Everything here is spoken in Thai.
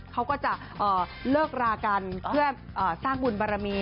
เขาก็จะเลิกรากันเพื่อสร้างบุญบารมี